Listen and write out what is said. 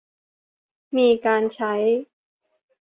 มีการใช้